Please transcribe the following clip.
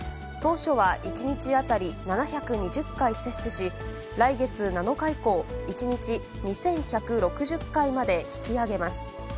当初は１日当たり７２０回接種し、来月７日以降、１日２１６０回まで引き上げます。